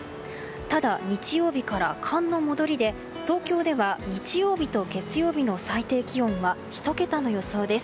ただ、日曜日から寒の戻りで東京では日曜日と月曜日の最低気温は１桁の予想です。